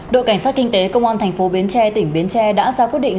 đội cảnh sát kinh tế công an tp biến tre tỉnh biến tre đã ra quyết định